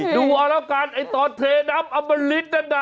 ดูออกแล้วกันตอนเทน้ำอามลิตด้านน่ะ